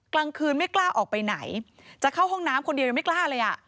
กลางคืนไม่กล้าออกไปไหนจะเข้าห้องน้ำคนเดียวยังไม่กล้าเลยอ่ะ